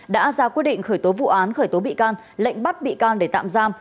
đã ra quyết định khởi tố vụ án khởi tố bị can lệnh bắt bị can để tạm giam